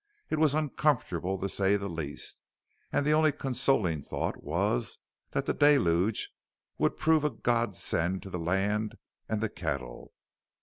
It was uncomfortable, to say the least, and the only consoling thought was that the deluge would prove a God send to the land and the cattle.